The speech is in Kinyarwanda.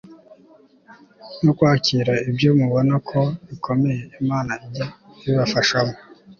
no kwakira ibyo mubona ko bikomeye Imana ijye ibibafashamo